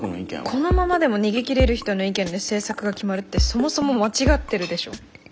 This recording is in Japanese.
このままでも逃げ切れる人の意見で政策が決まるってそもそも間違ってるでしょ。